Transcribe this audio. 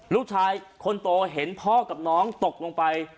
ลูกชายคนโตเห็นพ่อกับน้องตกลงไป